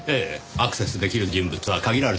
アクセス出来る人物は限られています。